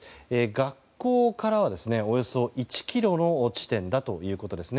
学校からは、およそ１ｋｍの地点だということですね。